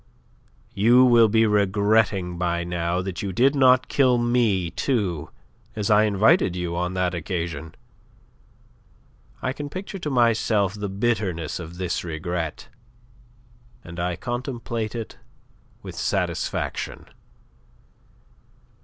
You will be regretting by now that you did not kill me too, as I invited you on that occasion. I can picture to myself the bitterness of this regret, and I contemplate it with satisfaction.